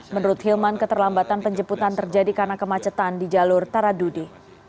menurut hilman keterlambatan penjemputan terjadi karena kemacetan di jalur taradudi